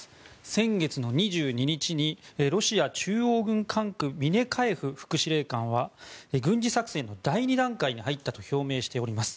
先月２２日に、ロシア中央軍管区ミネカエフ副司令官は軍事作戦の第２段階に入ったと表明しております。